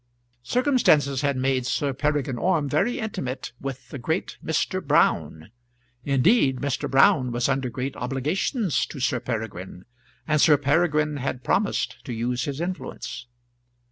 Circumstances had made Sir Peregrine Orme very intimate with the great Mr. Brown. Indeed, Mr. Brown was under great obligations to Sir Peregrine, and Sir Peregrine had promised to use his influence.